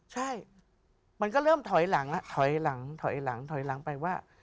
ใช่มันก็เริ่มถอยหลังแล้วถอยหลังถอยหลังถอยหลังไปว่า